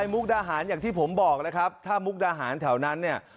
มุกดาหารอย่างที่ผมบอกแล้วครับถ้ามุกดาหารแถวนั้นเนี่ย